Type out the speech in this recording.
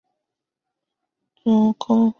他怎么空手回来了？